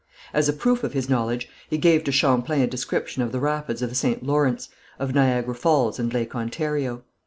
As a proof of his knowledge, he gave to Champlain a description of the rapids of the St. Lawrence, of Niagara Falls and Lake Ontario.